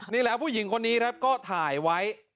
นี่แล้วผู้หญิงคนนี้ก็ถ่ายไว้